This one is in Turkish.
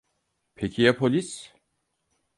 Peki ya polis?